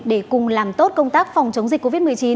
để cùng làm tốt công tác phòng chống dịch covid một mươi chín